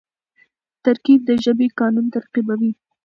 ترکیب د ژبي قانون تعقیبوي.